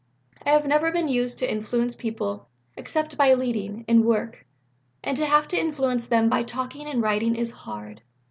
"I have never been used to influence people except by leading in work; and to have to influence them by talking and writing is hard.